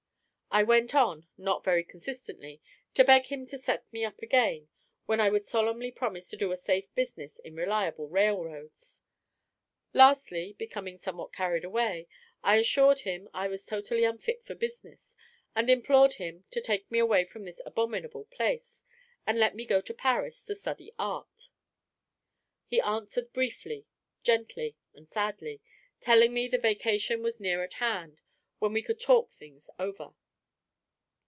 I went on (not very consistently) to beg him to set me up again, when I would solemnly promise to do a safe business in reliable railroads. Lastly (becoming somewhat carried away), I assured him I was totally unfit for business, and implored him to take me away from this abominable place, and let me go to Paris to study art. He answered briefly, gently, and sadly, telling me the vacation was near at hand, when we could talk things over.